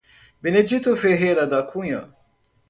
Benedito Ferreira da Cunha